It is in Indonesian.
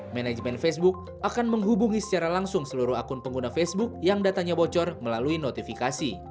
manajemen facebook akan menghubungi secara langsung seluruh akun pengguna facebook yang datanya bocor melalui notifikasi